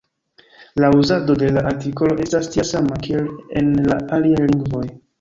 La uzado de la artikolo estas tia sama, kiel en la aliaj lingvoj.